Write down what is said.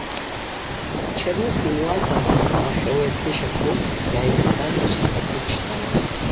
Дчарныс йымуата ауахьауи апещ апны йгӏайдырбаз ачварта апны дщтӏалтӏ.